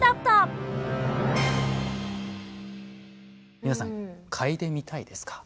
皆さんかいでみたいですか？